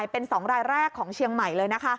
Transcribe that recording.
เป็น๒รายแรกของเชียงใหม่เลยนะคะ